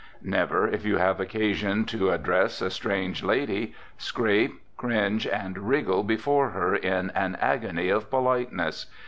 Never, if you have occasion to address a strange lady, scrape, cringe and wriggle before her in an agony of politeness.